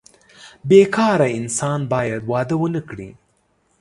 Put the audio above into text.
بې کاره انسان باید واده ونه کړي.